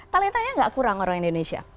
talentanya nggak kurang orang indonesia